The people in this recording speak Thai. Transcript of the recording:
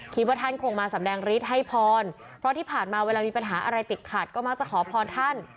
คิดว่าท่านคงมาสำแดงฤทธิ์ให้พรเพราะที่ผ่านมาเวลามีปัญหาอะไรติดขัดก็มักจะขอพรท่าน